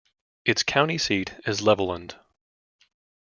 Its county seat is Levelland.